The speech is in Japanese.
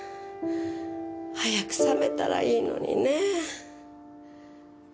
早く覚めたらいいのにねぇ。